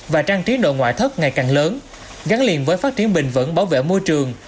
và trang trí nội ngoại thất ngày càng lớn gắn liền với phát triển bình vẫn bảo vệ môi trường